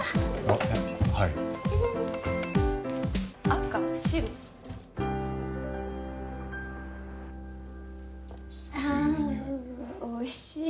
ああおいしい。